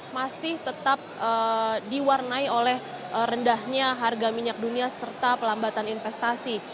masih tetap diwarnai oleh rendahnya harga minyak dunia serta pelambatan investasi